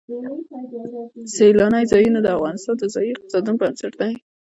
سیلانی ځایونه د افغانستان د ځایي اقتصادونو بنسټ دی.